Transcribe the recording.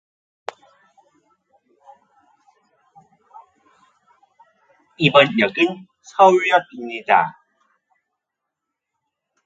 이번 역은 서울역입니다